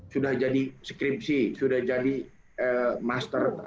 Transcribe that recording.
sudah jadi skripsi m tesis